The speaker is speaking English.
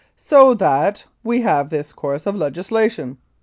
... So that we have this course of legislation.